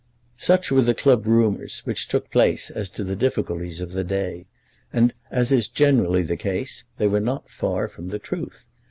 Such were the club rumours which took place as to the difficulties of the day, and, as is generally the case, they were not far from the truth.